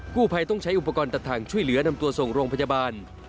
ผู้ภัยต้องใช้อุปกรณ์ตัดทางช่วยเหลือนำตัวส่งโรงพยาบาล